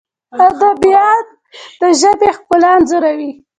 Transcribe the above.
ادیبان د ژبې ښکلا انځوروي.